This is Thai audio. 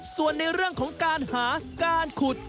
ส่วนในเรื่องของการหาการขุด